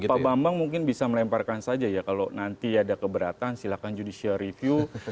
pak bambang mungkin bisa melemparkan saja ya kalau nanti ada keberatan silahkan judicial review